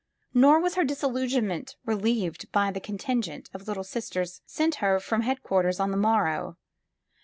Nor was her disillusionment re lieved by the contingent of Little Sisters sent her from headquarters on the morrow.